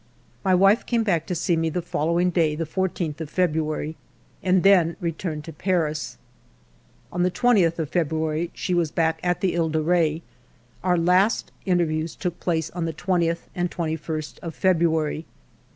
My wife came back to see me the following day, the 14th of February, and then returned to Paris. On the 20th of February she was back at the He de Re ; our last interviews took place on the 20th and 2 1 St of February.